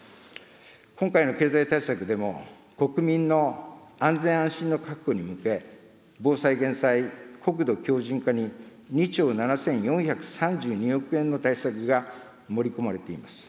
今回の経済対策でも、国民の安全安心の確保に向け、防災・減災、国土強じん化に２兆７４３２億円の対策が盛り込まれています。